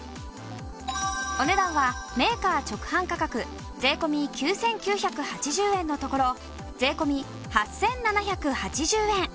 お値段はメーカー直販価格税込９９８０円のところ税込８７８０円。